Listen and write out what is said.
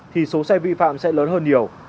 thì số xe vi phạm sẽ lớn hơn nhiều